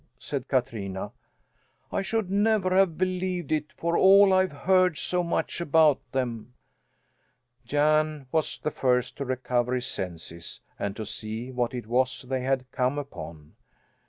said Katrina. "I should never have believed it, for all I've heard so much about them." Jan was the first to recover his senses and to see what it was they had come upon.